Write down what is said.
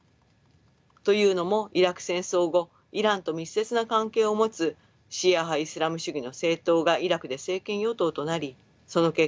というのもイラク戦争後イランと密接な関係を持つシーア派イスラム主義の政党がイラクで政権与党となりその結果